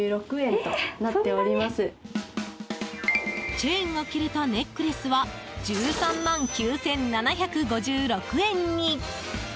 チェーンが切れたネックレスは１３万９７５６円に。